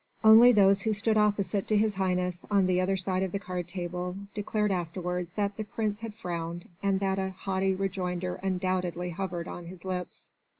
Only those who stood opposite to His Highness, on the other side of the card table, declared afterwards that the Prince had frowned and that a haughty rejoinder undoubtedly hovered on his lips.